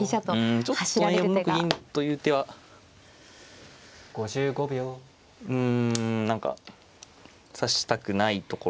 ちょっと４六銀という手はうん何か指したくないところ。